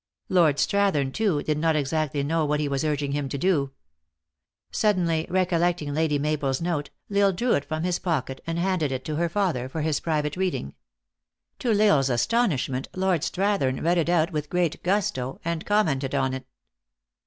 Lord Strathern, too, did not exactly know what he was urging him to do. Suddenly recollecting Lady Mabel s note, L Isle drew it from his pocket, and handed it to her father, for his private reading. To L Isle s astonishment, Lord Strathern read it out with great gusto, and com mented on it.